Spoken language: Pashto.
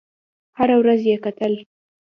هره ورځ یې کتل.